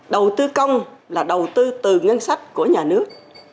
đầu tư công là đầu tư từ ngân sách của nhà nước